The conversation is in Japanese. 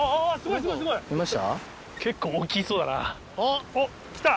いました？